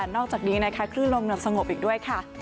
นอกจากนี้นะคะคลื่นลมสงบอีกด้วยค่ะ